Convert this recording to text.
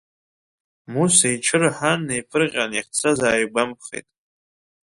Муса иҽы рҳан иԥырҟьан иахьцаз ааигәамԥхеит.